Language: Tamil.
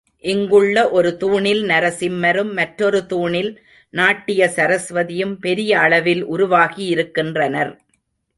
இங்குள்ள ஒரு தூணில் நரசிம்மரும், மற்றொரு தூணில் நாட்டிய சரஸ்வதியும் பெரிய அளவில் உருவாகியிருக்கின்றனர்.